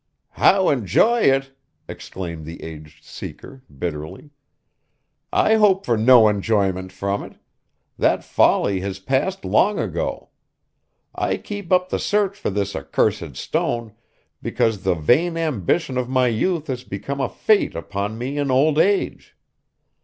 'How enjoy it!' exclaimed the aged Seeker, bitterly. 'I hope for no enjoyment from it; that folly has passed long ago! I keep up the search for this accursed stone because the vain ambition of my youth has become a fate upon me in old age.